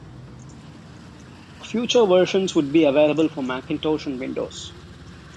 Future versions would be available for Macintosh and Windows.